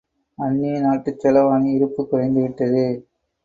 அந்நிய நாட்டுச் செலாவணி இருப்பு குறைந்துவிட்டது!